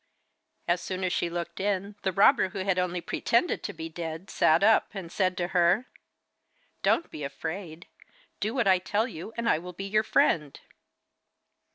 As soon as she looked in the robber who had only pretended to be dead sat up and said to her: 'Don't be afraid. Do what I tell you, and I will be your friend.